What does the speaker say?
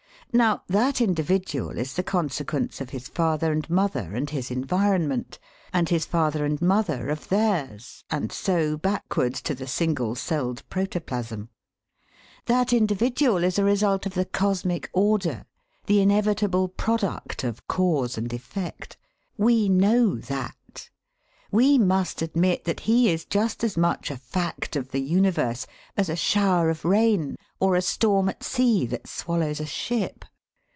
Now, that individual is the consequence of his father and mother and his environment, and his father and mother of theirs, and so backwards to the single celled protoplasm. That individual is a result of the cosmic order, the inevitable product of cause and effect. We know that. We must admit that he is just as much a fact of the universe as a shower of rain or a storm at sea that swallows a ship.